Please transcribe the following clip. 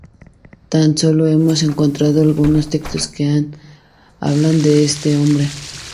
Tan solo hemos encontrado algunos textos que nos hablan de este hombre.